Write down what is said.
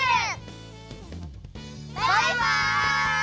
バイバイ！